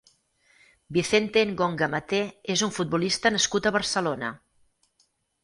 Vicente Engonga Maté és un futbolista nascut a Barcelona.